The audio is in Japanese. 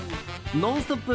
「ノンストップ！」